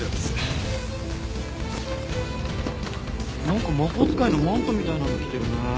なんか魔法使いのマントみたいなの着てるね。